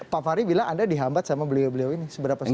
pak fahri bilang anda dihambat sama beliau beliau ini seberapa serius